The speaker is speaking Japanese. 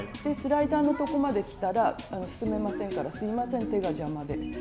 スライダーのとこまできたら進めませんからすいません手が邪魔で。